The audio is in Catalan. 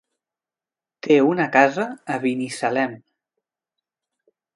Té una casa a Binissalem.